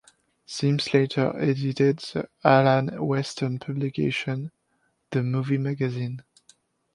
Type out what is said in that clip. Sims later edited the Alan Weston publication "The Movie Magazine".